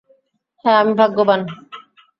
হ্যাঁ, আমি ভাগ্যবান।